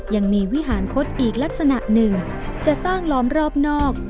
วิหารคดอีกลักษณะหนึ่งจะสร้างล้อมรอบนอก